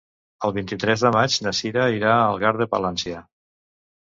El vint-i-tres de maig na Cira irà a Algar de Palància.